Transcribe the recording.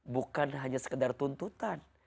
bukan hanya sekedar tuntutan